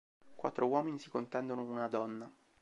Quattro uomini si contendono una donna.